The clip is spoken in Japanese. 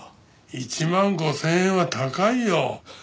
１万５０００円は高いよ！